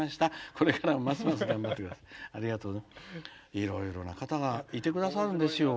いろいろな方がいて下さるんですよ。